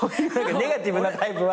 ネガティブなタイプは。